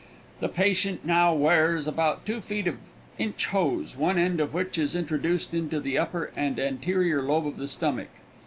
The patient now wears about two feet of inch hose, one end of which is introduced into the upper and anterior lobe of the stomach.